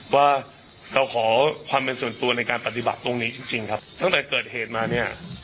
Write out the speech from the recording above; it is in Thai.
ว่าเราขอความเป็นส่วนตัวในการปฏิบัติตรงนี้จริงจริงครับตั้งแต่เกิดเหตุมาเนี่ย